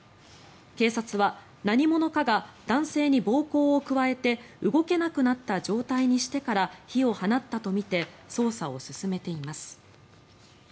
警察は何者かが男性に暴行を加えて動けなくなった状態にしてから火を放ったとみて捜査を進めています。